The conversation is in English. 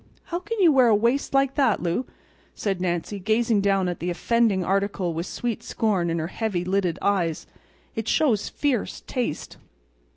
"How can you wear a waist like that, Lou?" said Nancy, gazing down at the offending article with sweet scorn in her heavy lidded eyes. "It shows fierce taste."